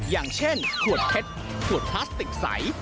อย่างเช่นขวดเพชรขวดพลาสติกใส